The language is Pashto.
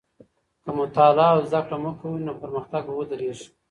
که مطالعه او زده کړه مه کوې، نو پرمختګ به ودرېږي.